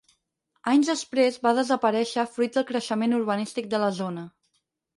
Anys després va desaparèixer fruit del creixement urbanístic de la zona.